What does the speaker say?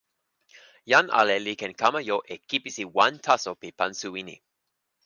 jan ale li ken kama jo e kipisi wan taso pi pan suwi ni.